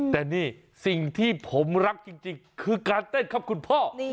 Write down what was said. แต่นี่สิ่งที่ผมรักจริงคือการเต้นครับคุณพ่อ